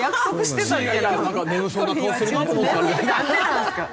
いや眠そうな顔してるなって。